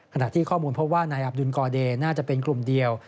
ขณะที่ข้อมูลพบว่านายอับดุลกอเดย์น่าจะเป็นกลุ่มเดียว